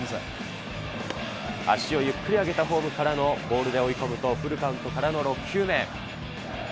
足をゆっくり上げたフォームからのボールで追い込むと、フルカウントからの６球目。